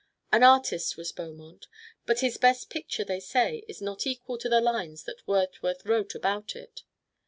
An artist was Beaumont, but his best picture they say is not equal to the lines that Wordsworth wrote about it.